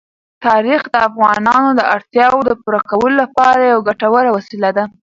تاریخ د افغانانو د اړتیاوو د پوره کولو لپاره یوه ګټوره وسیله ده.